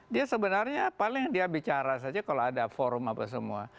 dia sebenarnya paling dia bicara saja kalau ada forum apa semua